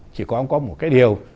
chỉ có một cái điều